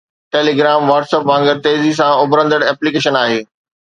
Telegram WhatsApp وانگر تيزيءَ سان اڀرندڙ ايپليڪيشن آهي